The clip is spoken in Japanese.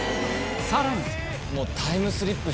さらに！